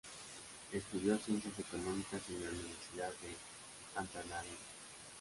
Estudió ciencias económicas en la Universidad de Antananarivo.